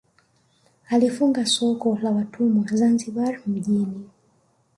Alifunga soko la watumwa Zanzibar mjini